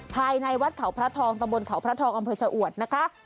ภายในวัดเขาพระทองตะบนเขาพระทองอำเภอชะอวดนะคะ